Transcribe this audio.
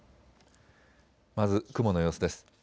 まず雲の様子です。